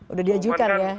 udah diajukan ya